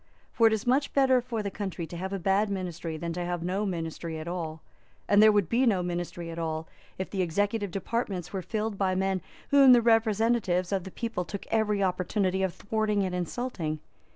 For it is much better for the country to have a bad ministry than to have no ministry at all, and there would be no ministry at all if the executive departments were filled by men whom the representatives of the people took every opportunity of thwarting and insulting.